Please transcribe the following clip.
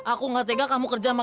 aku nggak tega kamu kerja sama kaming